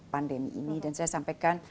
pandemi ini dan saya sampaikan